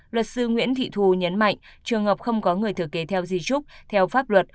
luật sư nguyễn thị thù nhấn mạnh trường hợp không có người thừa kế theo di trúc theo pháp luật